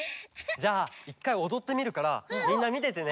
じゃあ１かいおどってみるからみんなみててね！